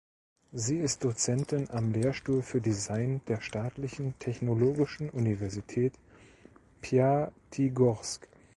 Sie ist Dozentin am Lehrstuhl für Design der Staatlichen Technologischen Universität Pjatigorsk.